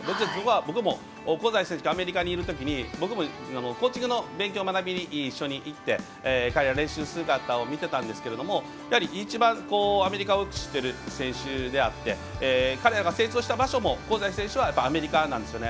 僕も香西選手とアメリカにいるときに僕もコーチングの勉強を学びに一緒に行って彼らの練習姿を見ていたんですけど一番アメリカを知っている選手であって彼らが成長した場所香西選手もアメリカなんですね。